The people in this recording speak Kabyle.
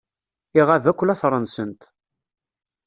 Iɣab akk later-nsent.